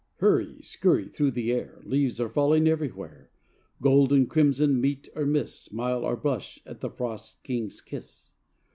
Hurry, skurry through the air Leaves are falling everywhere. Gold and crimson meet or miss Smile or blush at the frost king's kiss.